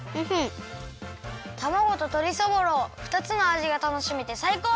たまごととりそぼろふたつのあじがたのしめてさいこう！